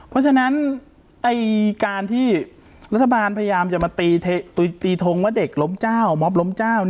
เพราะฉะนั้นการที่รัฐบาลพยายามจะมาตีทงว่าเด็กล้มเจ้าม็อบล้มเจ้า